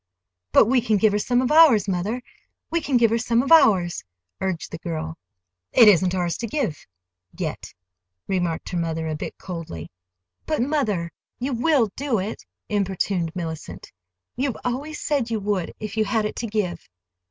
"But we can give her some of ours, mother,—we can give her some of ours," urged the girl. "It isn't ours to give—yet," remarked her mother, a bit coldly. "But, mother, you will do it," importuned Mellicent. "You've always said you would, if you had it to give."